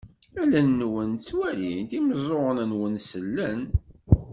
Allen-nwen ttwalint, imeẓẓuɣen-nwen sellen.